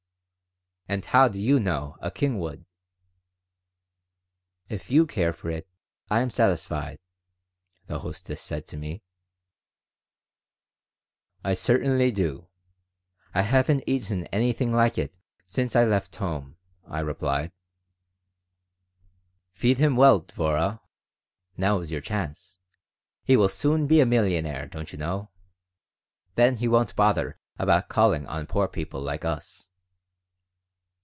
"And how do you know a king would?" "If you care for it, I am satisfied," the hostess said to me "I certainly do. I haven't eaten anything like it since I left home," I replied "Feed him well, Dvorah. Now is your chance. He will soon be a millionaire, don't you know. Then he won't bother about calling on poor people like us."